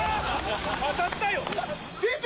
当たったよ